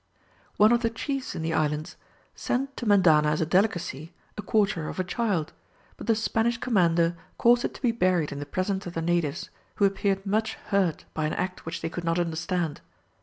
One of the chiefs in the island sent to Mendana as a delicacy, a quarter of a child, but the Spanish commander caused it to be buried in the presence of the natives, who appeared much hurt by an act which they could not understand.